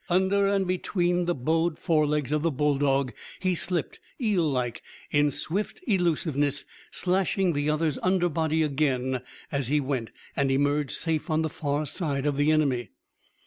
Under and between the bowed forelegs of the bulldog he slipped, eel like, in swift elusiveness, slashing the other's underbody again as he went, and emerged safe on the far side of the enemy.